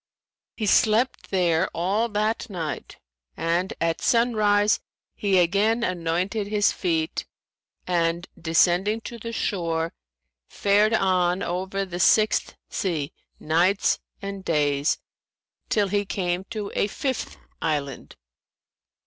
He slept there all that night and at sunrise he again anointed his feet and, descending to the shore, fared on over the Sixth Sea nights and days, till he came to a fifth island.